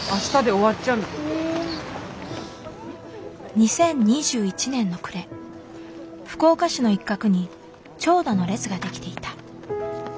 ２０２１年の暮れ福岡市の一角に長蛇の列ができていた。